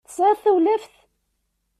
Tesɛiḍ tawlaft?